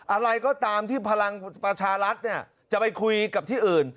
อะไรก็ตามที่พลังประชารัฐจะไปคุยกับที่อื่น